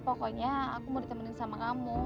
pokoknya aku mau ditemenin sama kamu